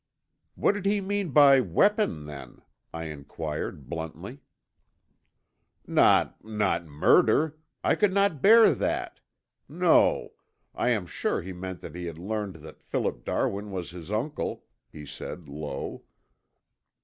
"What did he mean by weapon then?" I inquired bluntly. "Not not murder! I could not bear that! No. I am sure he meant that he had learned that Philip Darwin was his uncle," he said low.